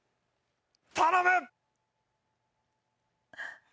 頼む！